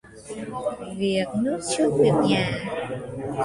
Việc nước trước việc nhà.